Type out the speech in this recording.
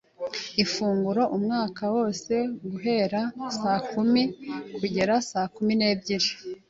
Ifungura umwaka wose guhera saa kumi kugeza saa kumi n'ebyiri.